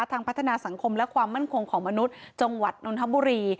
ทางพัฒนาสังคมและความมั่นคงของมนุษย์จังหวัดนนทบุรี